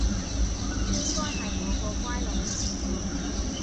應該係我個乖女